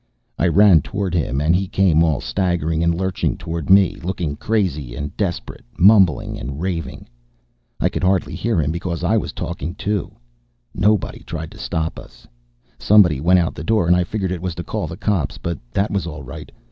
I ran toward him, and he came all staggering and lurching toward me, looking crazy and desperate, mumbling and raving I could hardly hear him, because I was talking, too. Nobody tried to stop us. Somebody went out the door and I figured it was to call the cops, but that was all right.